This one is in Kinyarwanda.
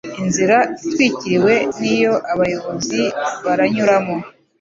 Inzira itwikiriwe niyo abayobozi baranyuramo